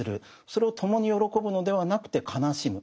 それを共に喜ぶのではなくて悲しむ。